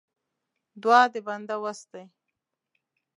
دعا د بنده وس دی.